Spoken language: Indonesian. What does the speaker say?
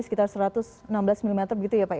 sekitar satu ratus enam belas mm begitu ya pak ya